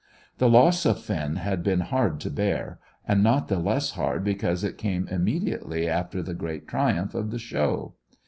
The loss of Finn had been hard to bear, and not the less hard because it came immediately after the great triumph of the Show.